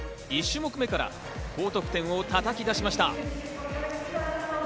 １種目めから高得点をたたき出しました。